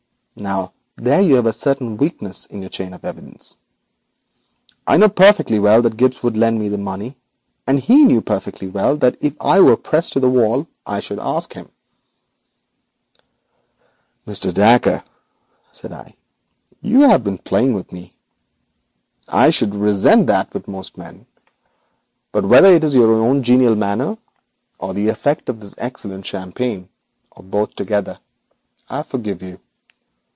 Now there you find a certain weakness in your chain of evidence. I knew perfectly well that Gibbes would lend me the money, and he knew perfectly well that if I were pressed to the wall I should ask him.' 'Mr. Dacre,' said I, 'you have been playing with me. I should resent that with most men, but whether it is your own genial manner or the effect of this excellent champagne, or both together, I forgive you.